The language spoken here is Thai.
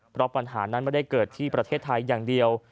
เพราะปัญหานั้นไม่ได้เกิดที่ประเทศไทยอย่างเดียว